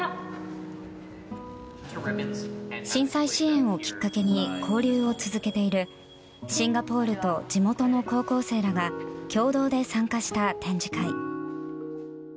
震災支援をきっかけに交流を続けているシンガポールと地元の高校生らが共同で参加した展示会。